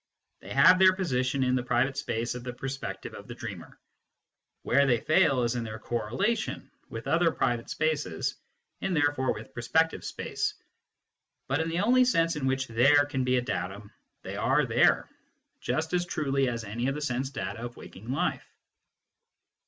They have their position in the private space of the perspective of the dreamer ; where they fail is in their correlation with other private spaces and therefore with perspective space. But in the only sense in which " there " can be a datum, they are " there " just as truly as any of the sense data of waking life.